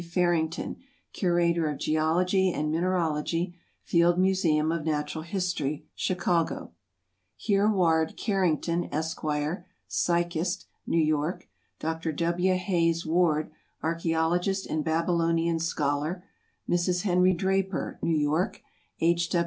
Farrington, Curator of Geology and Mineralogy, Field Museum of Natural History, Chicago; Hereward Carrington, Esq., Psychist, New York; Dr. W. Hayes Ward, Archæologist and Babylonian Scholar; Mrs. Henry Draper, New York; H.